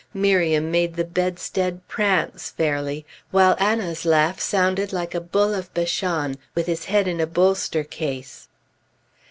Miriam made the bedstead prance, fairly, while Anna's laugh sounded like a bull of Bashan with his head in a bolster case.